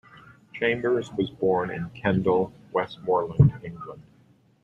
Chambers was born in Kendal, Westmorland, England.